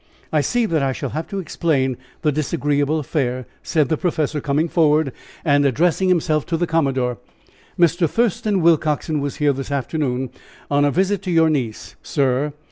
"I see that I shall have to explain the disagreeable affair," said the professor, coming forward, and addressing himself to the commodore. "Mr. Thurston Willcoxen was here this afternoon on a visit to your niece, sir.